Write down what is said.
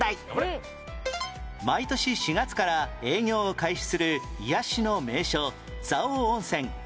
毎年４月から営業を開始する癒やしの名所